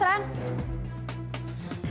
jawab yang jelas rand